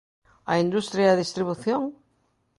A industria e a distribución?